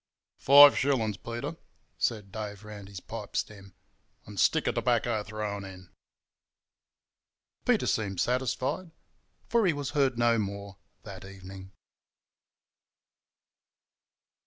"Five shillings, Peter," said Dave, round his pipe stem. "And stick of tobacco thrown in." Peter seemed satisfied, for he was heard no more that evening.